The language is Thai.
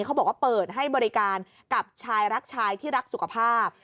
เขาบอกว่าเปิดให้บริการกับชายรักชายที่รักสุขภาพ